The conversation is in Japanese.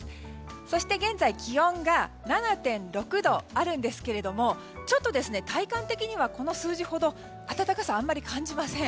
そして現在気温が７．６度あるんですがちょっと体感的にはこの数字ほど暖かさは感じません。